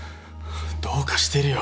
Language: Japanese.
どうかしてるよ。